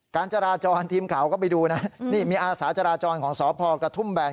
การจราจรทีมข่าวก็ไปดูนะนี่มีอาสาจราจรของสพกระทุ่มแบน